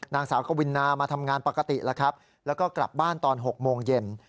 นางสาวกวินามาทำงานปกติแล้วครับแล้วก็กลับบ้านตอน๖โมงเย็น